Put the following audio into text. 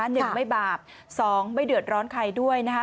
หนึ่งไม่บาปสองไม่เดือดร้อนใครด้วยนะคะ